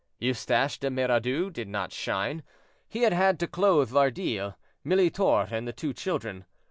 Eustache de Miradoux did not shine; he had had to clothe Lardille, Militor, and the two children.